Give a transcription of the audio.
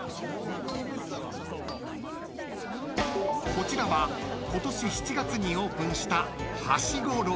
［こちらは今年７月にオープンした］